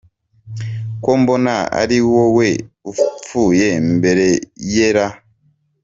ko mbona ari wowe upfuye mbere ye laa !!!!!!